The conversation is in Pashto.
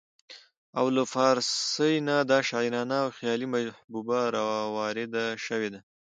او له پارسۍ نه دا شاعرانه او خيالي محبوبه راوارده شوې ده